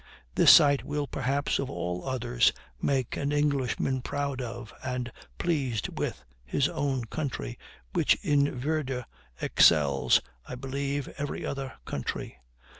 This sight will, perhaps, of all others, make an Englishman proud of, and pleased with, his own country, which in verdure excels, I believe, every other country.